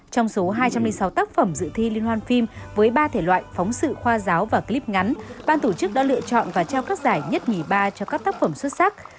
trong số hai trăm linh sáu tác phẩm dự thi liên hoan phim với ba thể loại phóng sự khoa giáo và clip ngắn ban tổ chức đã lựa chọn và trao các giải nhất nhì ba cho các tác phẩm xuất sắc